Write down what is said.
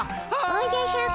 おじゃシャク。